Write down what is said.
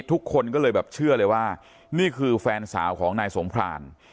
ทุกคนก็เลยแบบเชื่อเลยว่านี่คือแฟนสาวของนายสงคราน